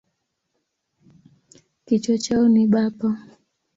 Kichwa chao ni bapa.